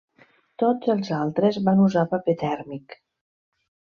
Tots els altres van usar paper tèrmic.